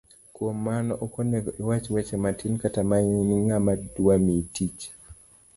Kuom mano, okonego iwach weche matin kata mang'eny ne ng'ama dwami tich.